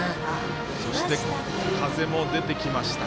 そして、風も出てきました。